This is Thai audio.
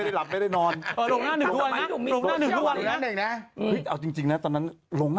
แต่แค่ตอนนี้รูปต้อง